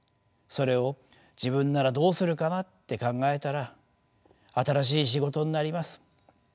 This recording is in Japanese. それを自分ならどうするかなって考えたら新しい仕事になります。